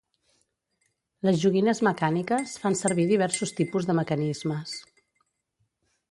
Les joguines mecàniques fan servir diversos tipus de mecanismes.